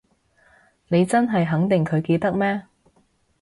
你真係肯定佢記得咩？